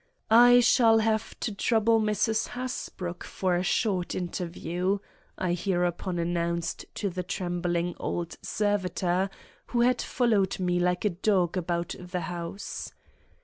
"I shall have to trouble Mrs. Hasbrouck for a short interview," I hereupon announced to the trembling old servitor, who had followed me like a dog about the house.